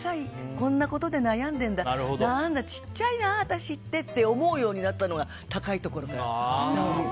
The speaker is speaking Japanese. こんなことで悩んでるんだ何だ、ちっちゃいな私ってって思うようになったのが高いところから下を見る。